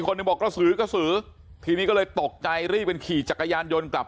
หนึ่งบอกกระสือกระสือทีนี้ก็เลยตกใจรีบกันขี่จักรยานยนต์กลับ